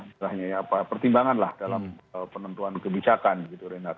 berakhirnya apa pertimbangan lah dalam ee penentuan kebijakan gitu renard